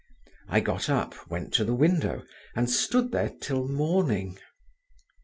I got up, went to the window, and stood there till morning….